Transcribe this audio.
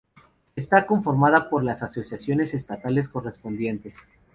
Está conformada por las asociaciones estadales correspondientes.